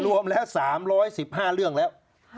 รวมแล้ว๓๑๕เรื่องแล้ว